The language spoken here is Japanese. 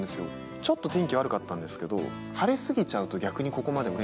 ちょっと天気が悪かったんですけど。